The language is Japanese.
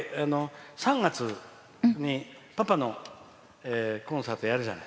３月にパパのコンサートやるじゃない。